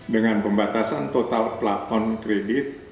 dengan pembatasan total plafon kredit